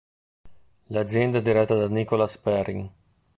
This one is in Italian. L'azienda è diretta da Nicolas Perrin.